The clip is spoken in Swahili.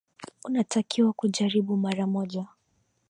Unatakiwa kujaribu mara moja.